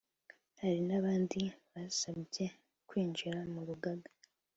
Hari n’abandi basabye kwinjira mu rugaga